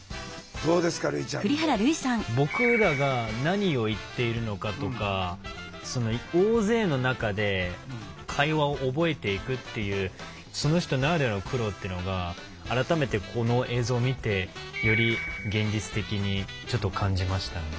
僕らが何を言っているのかとか大勢の中で会話を覚えていくっていうその人ならではの苦労っていうのが改めてこの映像を見てより現実的にちょっと感じましたね。